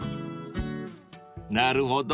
［なるほど。